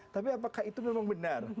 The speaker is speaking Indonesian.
tapi apakah itu memang benar